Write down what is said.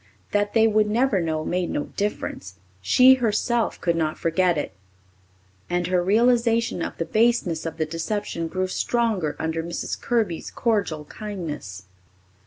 That they would never know made no difference. She herself could not forget it, and her realization of the baseness of the deception grew stronger under Mrs. Kirby's cordial kindness.